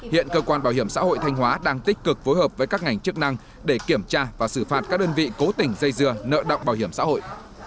hiện cơ quan bảo hiểm xã hội thanh hóa đang tích cực phối hợp với các ngành chức năng để kiểm tra và xử phạt các đơn vị cố tình dây dưa nợ động bảo hiểm xã hội